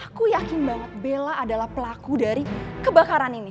aku yakin banget bella adalah pelaku dari kebakaran ini